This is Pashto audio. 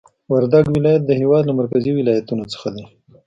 وردګ ولایت د هېواد له مرکزي ولایتونو څخه دی